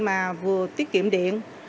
mà vừa tiết kiệm điện